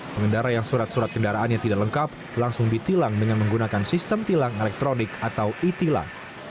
pengendara yang surat surat kendaraannya tidak lengkap langsung ditilang dengan menggunakan sistem tilang elektronik atau e tilang